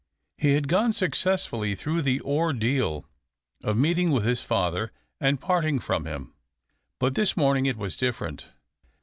He had gone successfully through the ordeal of meeting with his father and parting from him. But this morning it was different.